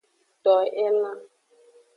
To elan.